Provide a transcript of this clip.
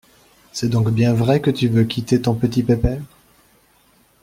C’est donc bien vrai que tu veux quitter ton petit pépère ?